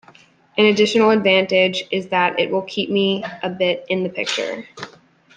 An additional advantage is that it will keep me a bit 'in the picture'.